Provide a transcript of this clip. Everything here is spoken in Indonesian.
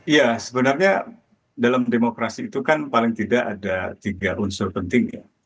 ya sebenarnya dalam demokrasi itu kan paling tidak ada tiga unsur penting ya